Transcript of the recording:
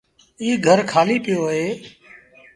ايٚ گھر کآليٚ پيو اهي۔